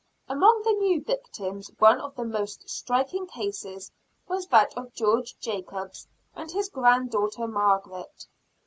Among the new victims, one of the most striking cases was that of George Jacobs and his grand daughter Margaret.